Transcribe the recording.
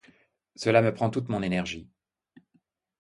Cela me prend toute mon énergie.